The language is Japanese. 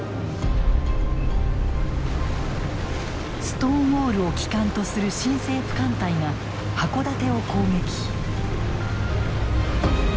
ストーンウォールを旗艦とする新政府艦隊が箱館を攻撃。